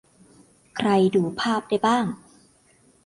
- ใครดูภาพได้บ้าง